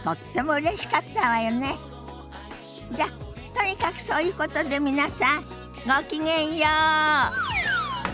じゃとにかくそういうことで皆さんごきげんよう。